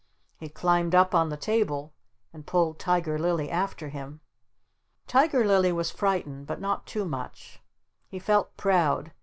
He climbed up on the table and pulled Tiger Lily after him. Tiger Lily was frightened, but not too much. He felt proud.